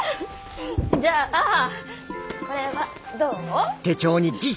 じゃあこれはどう？